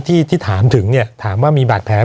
ที่ถามถึงเนี่ยถามว่ามีบาดแผล